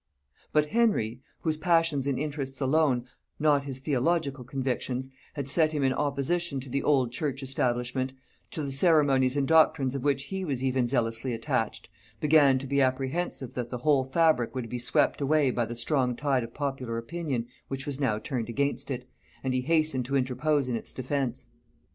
But Henry, whose passions and interests alone, not his theological convictions, had set him in opposition to the old church establishment, to the ceremonies and doctrines of which he was even zealously attached, began to be apprehensive that the whole fabric would be swept away by the strong tide of popular opinion which was now turned against it, and he hastened to interpose in its defence.